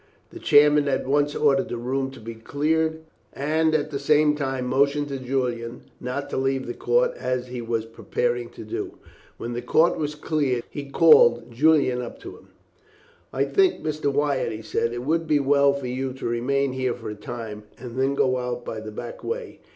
The chairman at once ordered the room to be cleared, and at the same time motioned to Julian not to leave the court, as he was preparing to do. When the court was cleared, he called Julian up to him. "I think, Mr. Wyatt," he said, "it would be as well for you to remain here for a time, and then go out by the back way.